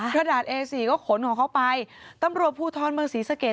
กระดาษเอสี่ก็ขนของเขาไปตำรวจภูทรเมืองศรีสะเกด